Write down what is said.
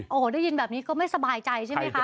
โอ้โหได้ยินแบบนี้ก็ไม่สบายใจใช่ไหมคะ